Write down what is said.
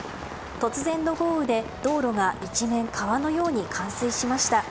突然の豪雨で道路が一面、川のように冠水しました。